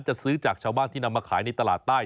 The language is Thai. จะซื้อจากชาวบ้านที่นำมาขายในตลาดใต้